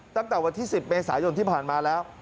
ตั้งแต่วันที่๑๐เมษายนที่ผ่านมาแล้ว